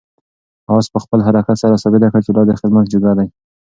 آس په خپل حرکت سره ثابته کړه چې لا د خدمت جوګه دی.